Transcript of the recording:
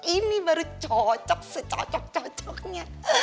ini baru cocok secocok cocoknya